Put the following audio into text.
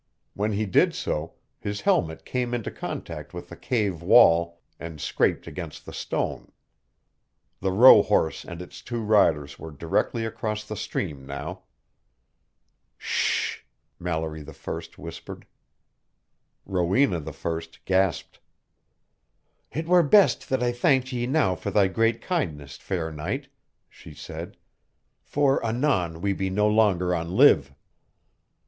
When he did so, his helmet came into contact with the cave wall and scraped against the stone. The rohorse and its two riders were directly across the stream now. "Shhh!" Mallory I whispered. Rowena I gasped. "It were best that I thanked ye now for thy great kindness, fair knight," she said, "for anon we be no longer on live."